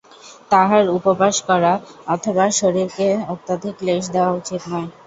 তাঁহার উপবাস করা অথবা শরীরকে অত্যধিক ক্লেশ দেওয়া উচিত নয়।